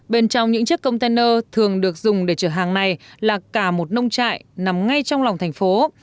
bên trong những chiếc container thường được dùng để chở hàng này là cả một nông trại nằm ngay trong lòng thành phố